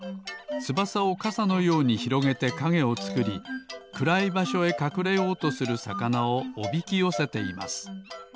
つばさをかさのようにひろげてかげをつくりくらいばしょへかくれようとするさかなをおびきよせています。